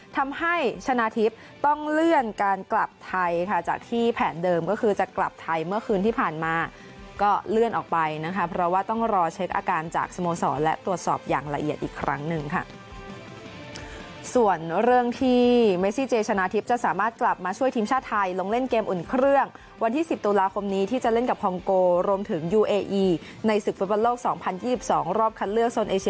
ทำให้ชนะทิพย์ต้องเลื่อนการกลับไทยค่ะจากที่แผนเดิมก็คือจะกลับไทยเมื่อคืนที่ผ่านมาก็เลื่อนออกไปนะคะเพราะว่าต้องรอเช็คอาการจากสโมสรและตรวจสอบอย่างละเอียดอีกครั้งหนึ่งค่ะส่วนเรื่องที่เมซี่เจชนะทิพย์จะสามารถกลับมาช่วยทีมชาติไทยลงเล่นเกมอุ่นเครื่องวันที่๑๐ตุลาคมนี้ที่จะเล่นกับคองโกรวมถึงยูเออีในศึกฟุตบอลโลก๒๐๒๒รอบคัดเลือกโซนเอ